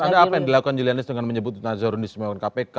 menurut anda apa yang dilakukan julianis dengan menyebut nazarudin istimewa kpk